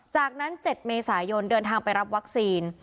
จากนั้น๗เมษายนเดินทางไปรับวัคซีน